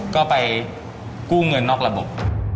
ก็ไปกู้เงินนอกระบบ